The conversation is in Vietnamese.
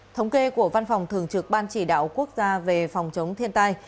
thống kê của văn phòng thường trực ban chỉ đạo quốc gia về phòng chống thiên tai